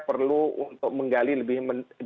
perlu untuk menggali lebih